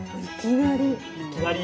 いきなり。